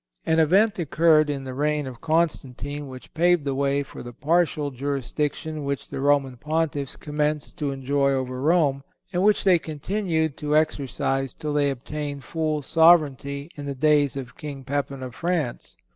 An event occurred in the reign of Constantine which paved the way for the partial jurisdiction which the Roman Pontiffs commenced to enjoy over Rome, and which they continued to exercise till they obtained full sovereignty in the days of King Pepin of France.